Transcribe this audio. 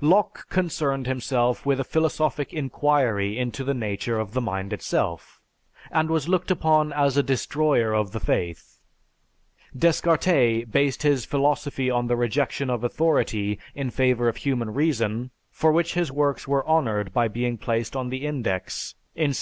Locke concerned himself with a philosophic inquiry into the nature of the mind itself, and was looked upon as a destroyer of the faith. Descartes based his philosophy on the rejection of authority in favor of human reason for which his works were honored by being placed on the Index in 1663.